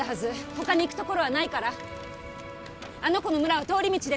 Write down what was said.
他に行く所はないからあの子の村は通り道です